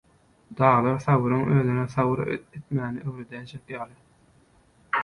Daglar sabyryň özüne sabyr etmäni öwredäýjek ýaly.